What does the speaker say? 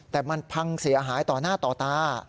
แต่มันพังเสียหายต่อหน้าต่อตา